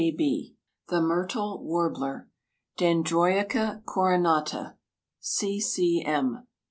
_ THE MYRTLE WARBLER. (Dendroica coronata.) C. C. M.